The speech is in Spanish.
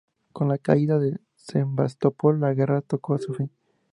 Con la caída de Sebastopol, la guerra tocó a su fin.